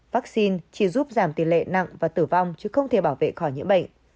vaccine chỉ giúp giảm tỷ lệ nặng và tử vong chứ không thể bảo vệ khỏi nhiễm bệnh